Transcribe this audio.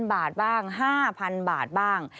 บาทบ้าง๕๐๐๐บาทบ้าง